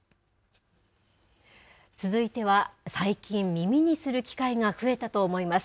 続いては、最近、耳にする機会が増えたと思います。